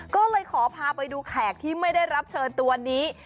ก็เลยขอพาไปดูแขกที่ไม่ได้รับเชิญตัวนี้